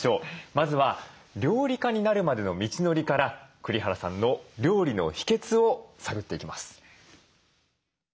まずは料理家になるまでの道のりから栗原さんの料理の秘けつを探っていきます。